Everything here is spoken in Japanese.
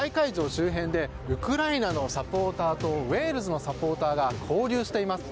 周辺でウクライナのサポーターとウェールズのサポーターが交流しています。